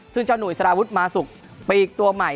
ซึ่งเจ้าหุ่ยสารวุฒิมาสุกปีกตัวใหม่